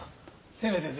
清明先生